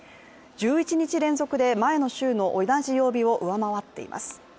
１１日連続で前の週の同じ曜日を上回っています。